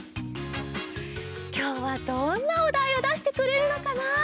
きょうはどんなおだいをだしてくれるのかな？